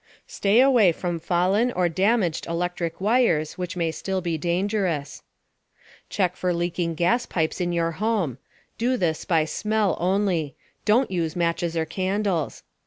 Stay away from fallen or damaged electric wires, which may still be dangerous. Check for leaking gas pipes in your home. Do this by smell only don't use matches or candles.